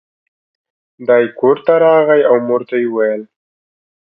دی کور ته راغی او مور ته یې وویل.